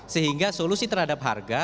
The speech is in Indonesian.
sehingga solusi terhadap harga